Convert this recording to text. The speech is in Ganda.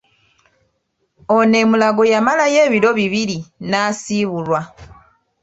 Ono e Mulago yamalayo ebiro bbiri n'asiibulwa.